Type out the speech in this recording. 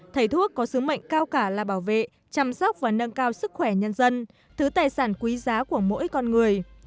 thầy thuốc có sứ mệnh cao cả là bảo vệ chăm sóc và nâng cao sức khỏe nhân dân thứ tài sản quý giá của mỗi con người